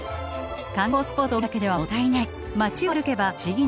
観光スポットを見るだけではもったいない。